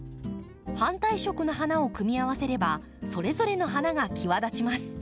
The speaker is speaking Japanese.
反対色の花を組み合わせればそれぞれの花が際立ちます。